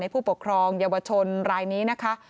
ผู้ปกครองเยาวชนรายนี้นะคะ